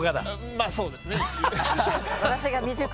まあそうですね。